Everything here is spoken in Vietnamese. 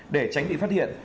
để tránh bị phát hiện